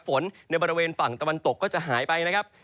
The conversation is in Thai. ฝนในบริเวณฝั่งตะวันตกก็จะหายไปนะครับ